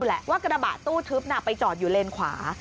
เห็นอยู่กระบะตู้ทึบน่ะไปจอดอยู่เลนควา